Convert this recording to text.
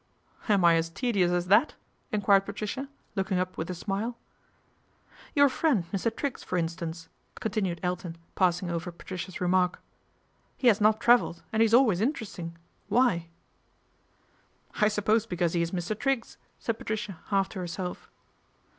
" Am I as tedious as that ?" enquired Patricia, looking up with a smile. " Your friend, Mr. Triggs, for instance," con tinued Elton, passing over Patricia's remark. " He has not travelled, and he is always interesting. Why ?"" I suppose because he is Mr. Triggs," said Patricia half to herself.